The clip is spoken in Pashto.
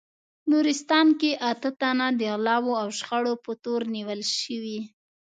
نورستان کې اته تنه د غلاوو او شخړو په تور نیول شوي